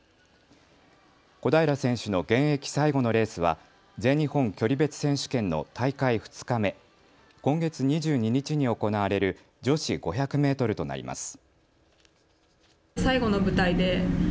小平選手の現役最後のレースは全日本距離別選手権の大会２日目、今月２２日に行われる女子５００メートルとなります。